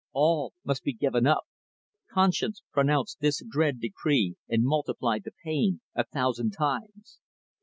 All must be given up. Conscience pronounced this dread decree and multiplied the pain a thousand times.